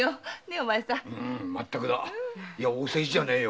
お世辞じゃねえよ